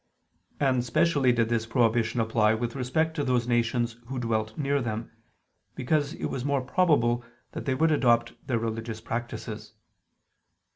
And specially did this prohibition apply with respect to those nations who dwelt near them, because it was more probable that they would adopt their religious practices.